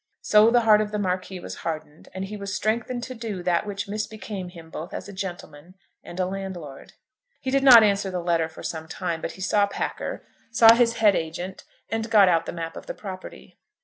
So the heart of the Marquis was hardened, and he was strengthened to do that which misbecame him both as a gentleman and a landlord. He did not answer the letter for some time; but he saw Packer, saw his head agent, and got out the map of the property.